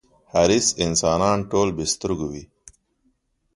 حریص انسانان ټول بې سترگو وي.